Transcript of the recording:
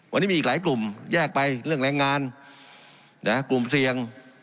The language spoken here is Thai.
วันนี้มีอีกหลายกลุ่มแยกไปเรื่องแรงงานกลุ่มเสี่ยง